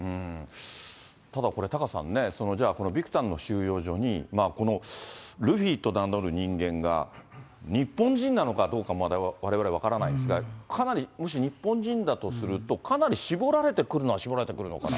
ただ、これ、タカさんね、じゃあ、このビクタンの収容所に、このルフィと名乗る人間が、日本人なのかどうか、まだ、われわれ分からないですが、かなり、もし日本人だとすると、かなり絞られてくるのは絞られてくるのかなと。